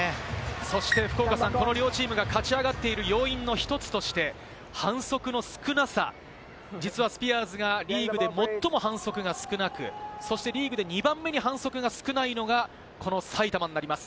そして福岡さん、この両チームが勝ち上がっている要因として、反則の少なさ、実はスピアーズがリーグで最も反則が少なく、リーグで２番目に反則が少ないのがこの埼玉になります。